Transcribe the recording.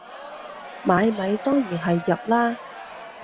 買米當然係入喇